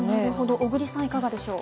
小栗さん、いかがでしょう？